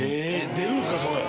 出るんすか⁉それ！